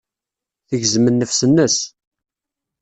Tegzem nnefs-nnes.